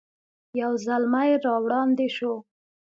یو زلمی را وړاندې شو.